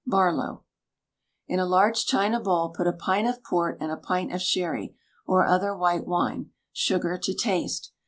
BARLOW. In a large china bowl put a pint of port and a pint of sherry, or other white wine; sugar to taste.